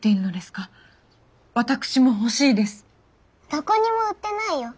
どこにも売ってないよ。